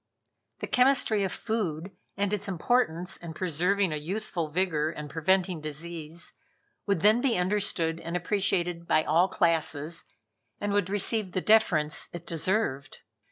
The chemistry of food and its importance in preserving a youthful vigor and preventing disease, would then be understood and appreciated by all classes, and would receive the deference it deserved.